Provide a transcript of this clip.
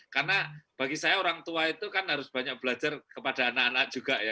karena bagi saya orang tua itu kan harus banyak belajar kepada anak anak juga ya